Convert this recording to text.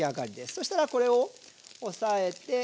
そしたらこれを押さえて。